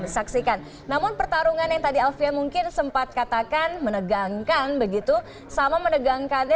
saksikan namun pertarungan yang tadi alfian mungkin sempat katakan menegangkan begitu sama menegangkan